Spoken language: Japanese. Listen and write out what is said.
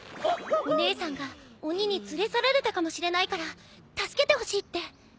お姉さんが鬼に連れ去られたかもしれないから助けてほしいって。